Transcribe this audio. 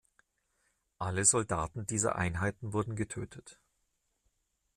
Alle Soldaten dieser Einheiten wurden getötet.